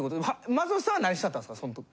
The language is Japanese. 松本さんは何してはったんですかそのとき？